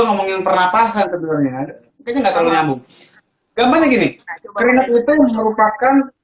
ngomongin pernapasan sebelumnya ini enggak terlalu nyambung gampangnya gini keringat itu merupakan